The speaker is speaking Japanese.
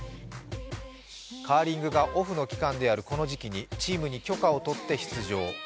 カーリングがオフの期間であるこの時期にチームに許可をとって出場。